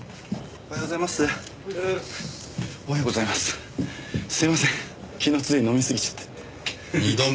おはようございます。